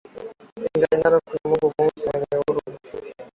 Engai Narok ni Mungu Mweusi mwenye huruma